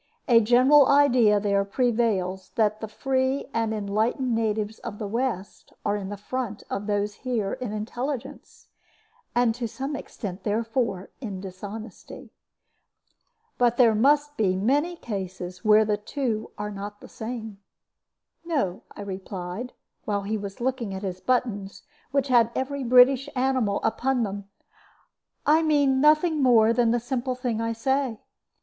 A general idea there prevails that the free and enlightened natives of the West are in front of those here in intelligence, and to some extent, therefore, in dishonesty. But there must be many cases where the two are not the same. "No," I replied, while he was looking at his buttons, which had every British animal upon them; "I mean nothing more than the simple thing I say.